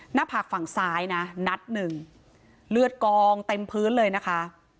หน้าผากฝั่งซ้ายนะนัดหนึ่งเลือดกองเต็มพื้นเลยนะคะ